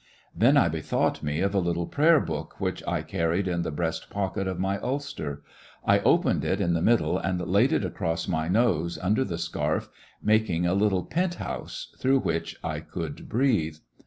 Then I bethought me of a little prayer book which I carried in the breast pocket of my ulster. I opened it in the middle and laid it across my nose under the scarf, making a little pent house through which I could breathe.